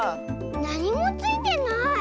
なにもついてない！